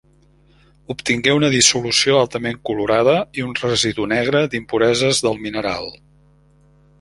Obtingué una dissolució altament colorada i un residu negre d'impureses del mineral.